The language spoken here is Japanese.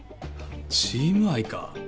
チーム愛か？